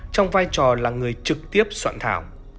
trong vai trò là người trực tiếp soạn thảo